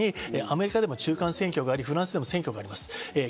さらにアメリカでも中間選挙があり、フランスでも選挙があります。